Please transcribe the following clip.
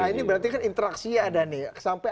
ini berarti kan interaksi ada nih sampai